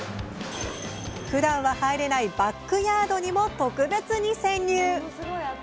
ふだんは入れないバックヤードにも特別に潜入。